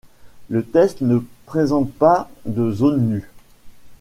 Le test ne présente pas de zones nues.